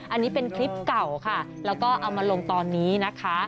อันนี้เป็นคลิปเก่าค่ะแล้วก็เอามาลงตอนนี้นะคะ